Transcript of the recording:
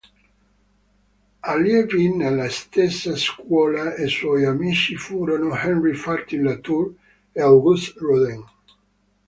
Allievi nella stessa scuola e suoi amici furono Henri Fantin-Latour e Auguste Rodin.